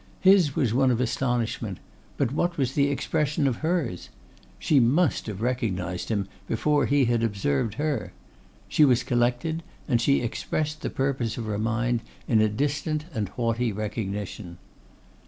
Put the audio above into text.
His was one of astonishment; but what was the expression of hers? She must have recognised him before he had observed her. She was collected, and she expressed the purpose of her mind in a distant and haughty recognition.